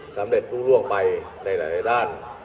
สำเร็จมุ่งร่วงไปในหลายด้าน